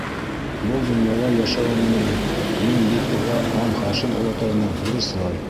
Был донъяла йәшәүем менән мин бит уға һәм Хашим олатайыма бурыслы.